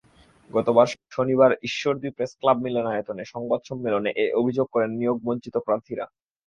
গতকাল শনিবার ঈশ্বরদী প্রেসক্লাব মিলনায়তনে সংবাদ সম্মেলনে এ অভিযোগ করেন নিয়োগবঞ্চিত প্রার্থীরা।